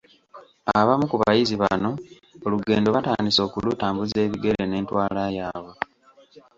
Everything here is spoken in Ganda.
Abamu ku bayizi bano olugendo batandise okulutambuza ebigere n’entwala yaabwe.